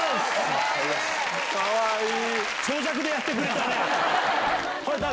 かわいい！